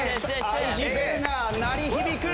ＩＧベルが鳴り響く！